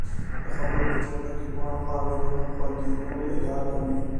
د خبرو په جګړه کې دواړه خواوې د خوږېدو ادعا کوي.